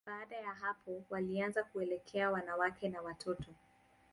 Baada ya hapo, walianza kuelekea wanawake na watoto.